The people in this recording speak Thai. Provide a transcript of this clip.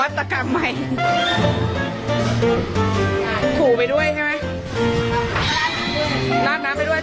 ราดน้ำไปด้วยถูไปด้วยอ่า